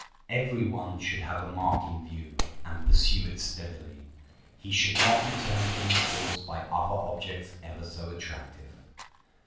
Every one should have a mark in view, and pursue it steadily. He should not be turned from his course by other objects ever so attractive.